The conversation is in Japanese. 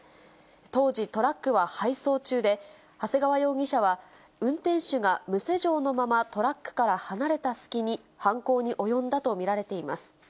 当時、トラックは配送中で、長谷川容疑者は、運転手が無施錠のままトラックから離れた隙に犯行に及んだと見られています。